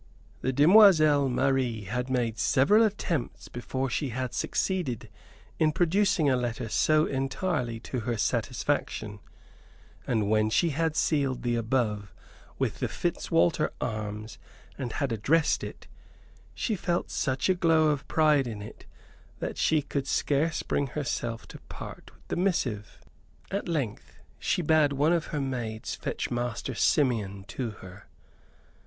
The demoiselle Marie had made several attempts before she had succeeded in producing a letter so entirely to her satisfaction; and when she had sealed the above with the Fitzwalter arms and had addressed it, she felt such a glow of pride in it that she could scarce bring herself to part with the missive. At length she bade one of her maids fetch Master Simeon to her.